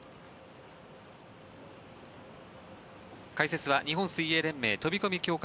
解説は日本水泳連盟飛込強化